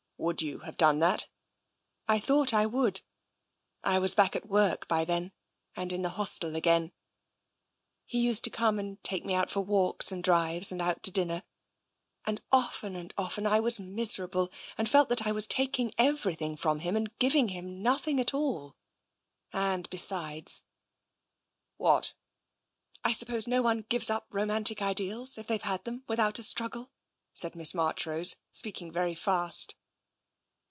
" Would you have done that ?"" I thought I would — I was back at work by then, and in the hostel again. He used to come and take me for walks and drives and out to dinner — and often and often I was miserable and felt that I was taking everything from him, and giving him nothing at all. And besides " "What?" " I suppose no one gives up romantic ideals, if they've had them, without a struggle," said Miss Marchrose, speaking very fast.